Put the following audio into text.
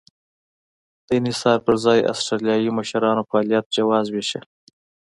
د انحصار پر ځای اسټرالیایي مشرانو فعالیت جواز وېشه.